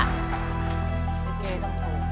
ลิเกต้องถูก